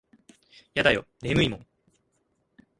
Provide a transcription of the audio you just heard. やだよ眠いもん。